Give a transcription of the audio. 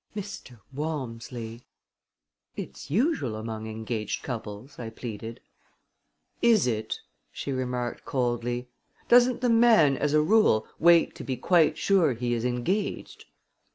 "Mr. Walmsley!" "It's usual among engaged couples," I pleaded. "Is it!" she remarked coldly. "Doesn't the man, as a rule, wait to be quite sure he is engaged?"